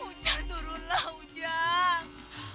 ujang turunlah ujang